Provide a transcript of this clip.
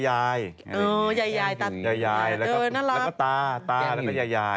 ยายตายายแล้วก็ตายายแล้วก็ตายายแล้วก็ตายาย